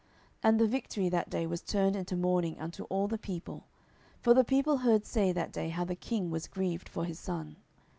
10:019:002 And the victory that day was turned into mourning unto all the people: for the people heard say that day how the king was grieved for his son.